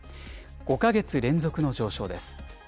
５か月連続の上昇です。